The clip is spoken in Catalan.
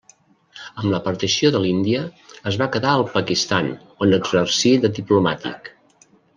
Amb la partició de l'Índia es va quedar al Pakistan, on exercí de diplomàtic.